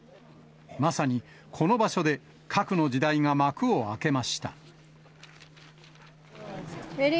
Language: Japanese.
まさにこの場所で核の時代が幕を開けました。